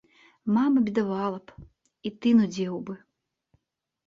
Мама бедавала б, і ты нудзеў бы.